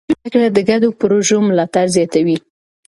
د نجونو زده کړه د ګډو پروژو ملاتړ زياتوي.